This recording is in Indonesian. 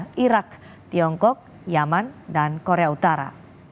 malaysia irak tiongkok yaman dan korea utara